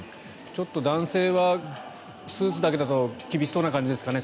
ちょっと男性はスーツだけだと厳しそうな感じですかね？